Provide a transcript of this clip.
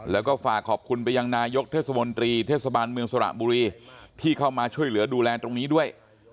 แล้วก็ฝากขอบคุณไปยังนายกเทศมนตรีเทศบาลเมืองสระบุรีที่เข้ามาช่วยเหลือดูแลตรงนี้ด้วย